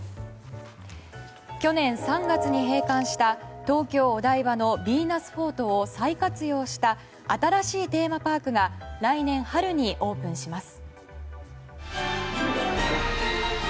去年３月に閉館した東京・お台場のヴィーナスフォートを再活用した新しいテーマパークが来年春にオープンします。